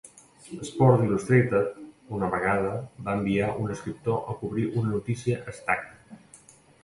"Sports Illustrated" una vegada va enviar un escriptor a cobrir una notícia a Stack.